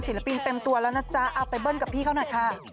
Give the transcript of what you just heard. ปีเต็มตัวแล้วนะจ๊ะเอาไปเบิ้ลกับพี่เขาหน่อยค่ะ